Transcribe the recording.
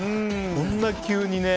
こんな急にね。